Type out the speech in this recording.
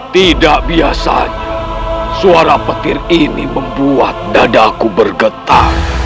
tidak biasanya suara petir ini membuat dadaku bergetar